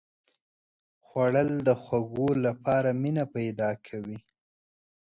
خوړل د خوږو لپاره مینه پیدا کوي